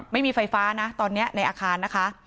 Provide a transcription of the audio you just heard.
ไม่มีไฟฟ้านะตอนนี้ในอาคารนะคะ